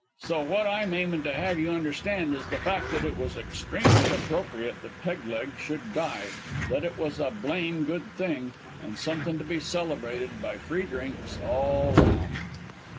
So what I'm aimin' to have you understand is the fact that it was extremely appropriate that Peg leg should die, that it was a blame good thing, and somethin' to be celebrated by free drinks all round.